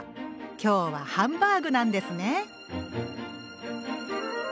今日はハンバーグなんですね！